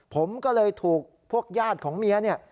ผมก็เลยถูกพวกญาติของเมียเนี่ย